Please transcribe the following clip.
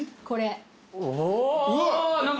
これ。